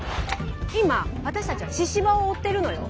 今私たちは神々を追ってるのよ？